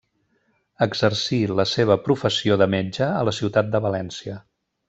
Exercí la seva professió de metge a la ciutat de València.